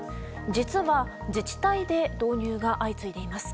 実は自治体で導入が相次いでいます。